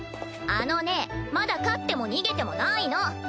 あのねまだ勝っても逃げてもないの。